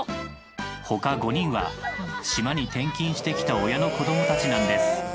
他５人は島に転勤してきた親の子どもたちなんです。